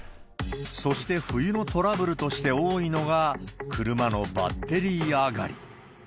そして冬のトラブルとして多いのが、車のバッテリー上がり。